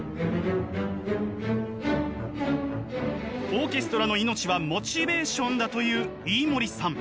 オーケストラの命はモチベーションだと言う飯森さん。